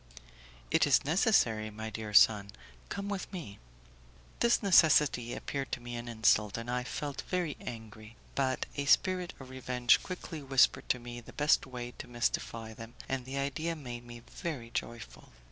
"It is necessary, my dear son; come with me." This necessity appeared to me an insult, and I felt very angry; but a spirit of revenge quickly whispered to me the best way to mystify them, and the idea made me very joyful.